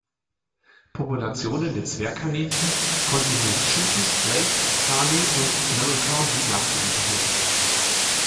Populationen der Zwergkaninchen konnten im Deschutes, Lake, Harney und Malheur County nachgewiesen werden.